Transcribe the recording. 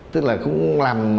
tức là cũng làm